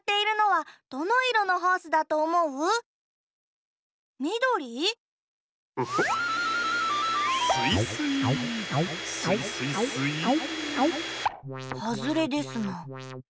はずれですな。